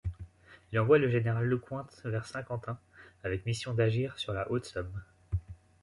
Il envoie le général Lecointe vers Saint-Quentin avec mission d'agir sur la Haute-Somme.